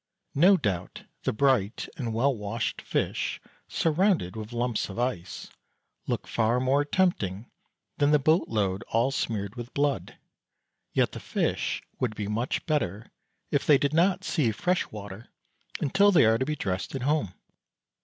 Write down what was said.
No doubt the bright and well washed fish, surrounded with lumps of ice, look far more tempting than the boat load all smeared with blood, yet the fish would be much better if they did not see fresh water until they are to be dressed at home.